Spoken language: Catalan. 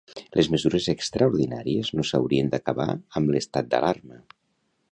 Les mesures extraordinàries no s'haurien d'acabar amb l'estat d'alarma.